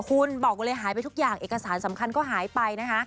คุณบอกเลยหายไปทุกอย่างเอกสารสำคัญก็หายไปนะคะ